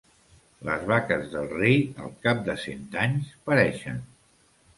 Les vaques del rei, al cap de cent anys pareixen.